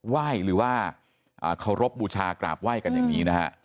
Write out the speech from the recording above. ไหว้หรือว่าเคารพบูชากราบไหว้กันอย่างนี้นะฮะ